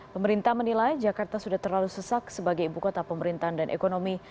pemerintah menilai jakarta sudah terlalu sesak sebagai ibu kota pemerintahan dan ekonomi